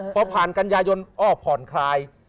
พอผ่านกันยายนอ้อผ่อนคลาย